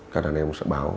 các đàn em sẽ bảo